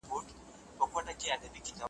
ورته رایې وړلي غوښي د ښکارونو .